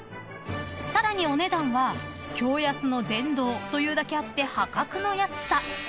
［さらにお値段は驚安の殿堂というだけあって破格の安さ］